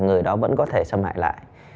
người đó vẫn có thể xâm hại lại